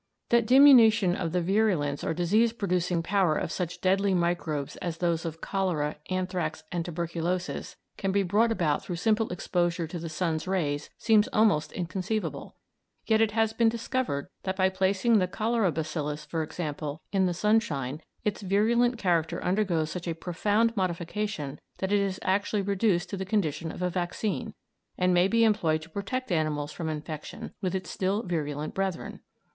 That diminution of the virulence or disease producing power of such deadly microbes as those of cholera, anthrax, and tuberculosis can be brought about through simple exposure to the sun's rays seems almost inconceivable, yet it has been discovered that by placing the cholera bacillus, for example, in the sunshine its virulent character undergoes such a profound modification that it is actually reduced to the condition of a vaccine, and may be employed to protect animals from infection with its still virulent brethren.